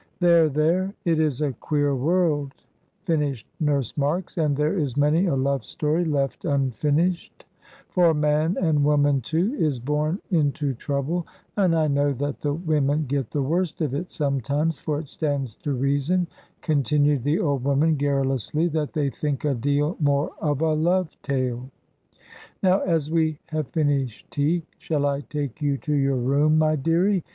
There, there, it is a queer world," finished Nurse Marks, "and there is many a love story left unfinished, for 'man' (and woman, too) 'is born into trouble,' and I know that the women get the worst of it sometimes; for it stands to reason," continued the old woman, garrulously, "that they think a deal more of a love tale. Now, as we have finished tea, shall I take you to your room, my dearie?